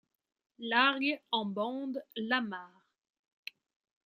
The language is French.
Largue en bande l’amarre.